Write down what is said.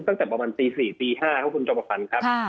ตั้งแต่ประมาณตี๔ตี๕ครับคุณจอมขวัญครับ